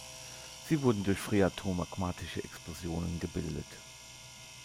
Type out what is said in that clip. Sie wurden durch phreatomagmatische Explosionen gebildet.